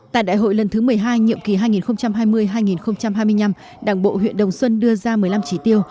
tại đại hội lần thứ một mươi hai nhiệm kỳ hai nghìn hai mươi hai nghìn hai mươi năm đảng bộ huyện đồng xuân đưa ra một mươi năm chỉ tiêu